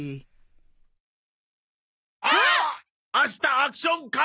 『アクション仮面』！